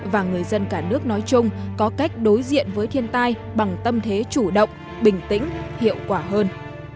và người dân cả nước nói chung có cách đối diện với thiên tai bằng tâm thế chủ động bình tĩnh hiệu quả hơn